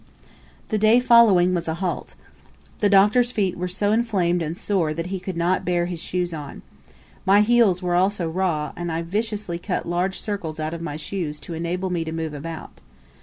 The day following was a halt. The Doctor's feet were so inflamed and sore that he could not bear his shoes on. My heels were also raw, and I viciously cut large circles out of my shoes to enable me to move about.